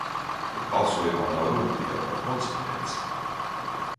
Bet balsojumā nav runa tikai par konsekvenci.